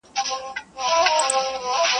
له میو چي پرهېز کوم پر ځان مي ژړا راسي.